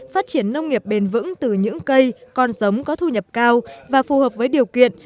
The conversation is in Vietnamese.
phát triển nông nghiệp bền vững từ những cây con giống có thu nhập cao và phù hợp với điều kiện